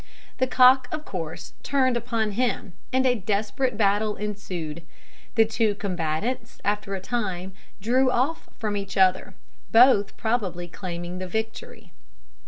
The cock of course turned upon him, and a desperate battle ensued. The two combatants, after a time, drew off from each other, both probably claiming the victory.